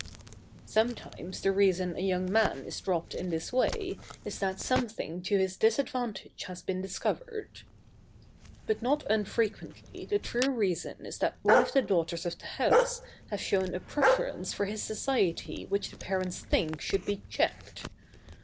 Sometimes the reason a young man is dropped in this way is that something to his disadvantage has been discovered. [Sidenote: An occasional reason.] But not unfrequently the true reason is that one of the daughters of the house has shown a preference for his society which the parents think should be checked.